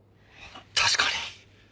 確かに。